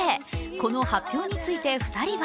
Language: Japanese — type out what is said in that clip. この発表について２人は